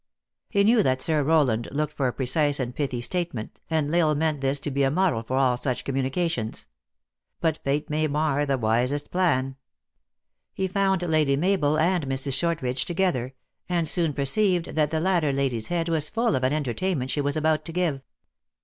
He knew that Sir Rowland looked for a precise and pithy statement, and L Isle mean this to be a model for all such communications. But fate may mar the wisest plan. He found Lady Mabel and Mrs. Shortridge together, and soon perceived that the latter lady s head was full of an entertainment she was about to give.